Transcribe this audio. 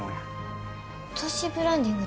都市ブランディングですか？